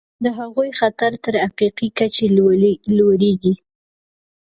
د هغوی خطر تر حقیقي کچې لوړیږي.